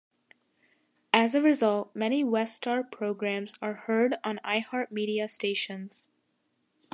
As a result, many WestStar programs are heard on iHeartMedia stations.